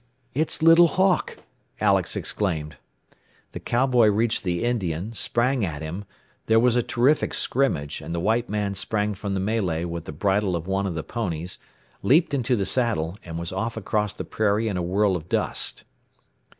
"It's Little Hawk!" Alex exclaimed. The cowboy reached the Indian, sprang at him, there was a terrific scrimmage, and the white man sprang from the melee with the bridle of one of the ponies, leaped into the saddle, and was off across the prairie in a whirl of dust.